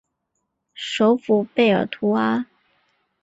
首府贝尔图阿。